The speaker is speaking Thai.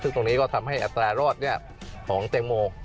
ซึ่งตรงนี้ก็ทำให้อัตรารอดของแตงโม